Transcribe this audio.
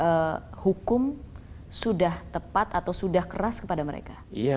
proses hukum sudah tepat atau sudah keras kepada mereka